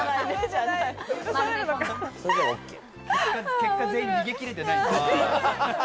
結果、全員逃げきれてないですね。